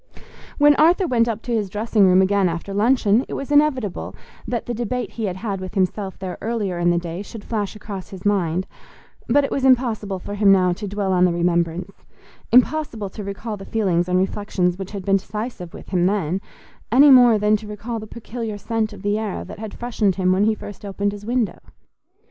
When Arthur went up to his dressing room again after luncheon, it was inevitable that the debate he had had with himself there earlier in the day should flash across his mind; but it was impossible for him now to dwell on the remembrance—impossible to recall the feelings and reflections which had been decisive with him then, any more than to recall the peculiar scent of the air that had freshened him when he first opened his window.